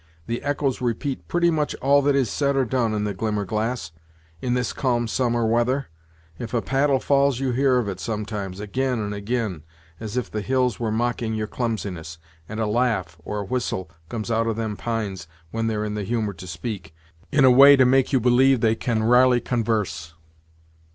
"The echoes repeat pretty much all that is said or done on the Glimmerglass, in this calm summer weather. If a paddle falls you hear of it sometimes, ag'in and ag'in, as if the hills were mocking your clumsiness, and a laugh, or a whistle, comes out of them pines, when they're in the humour to speak, in a way to make you believe they can r'ally convarse."